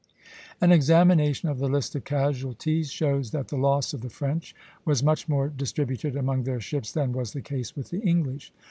An examination of the list of casualties shows that the loss of the French was much more distributed among their ships than was the case with the English.